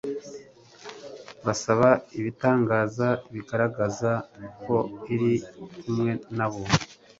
basaba ibitangaza bigaragaza ko Iri kumwe na bo